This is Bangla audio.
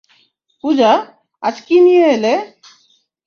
পূজা, আজ কি নিয়ে এলে?